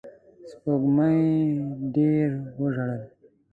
سپوږمۍ ډېر وژړل